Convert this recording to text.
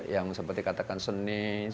yang seperti katakan seni